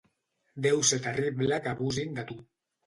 Deu ser terrible que abusin de tu.